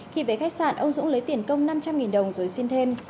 khi về khách sạn ông dũng lấy tiền công năm trăm linh đồng rồi xin thêm